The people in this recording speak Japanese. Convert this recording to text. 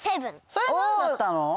それなんだったの？